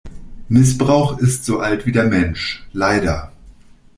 Missbrauch ist so alt wie der Mensch - leider.